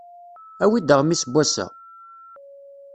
Awi-d aɣmis n wass-a!